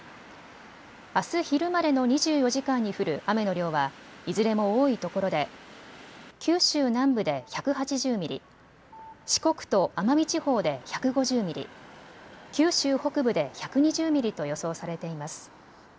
あす昼までの２４時間に降る雨の量はいずれも多いところで九州南部で１８０ミリ、四国と奄美地方で１５０ミリ、九州北部で１２０ミリと予想されています。